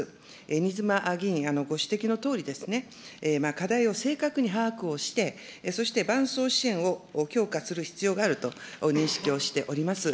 新妻議員ご指摘のとおり、課題を正確に把握をして、そして伴走支援を強化する必要があると認識をしております。